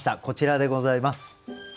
こちらでございます。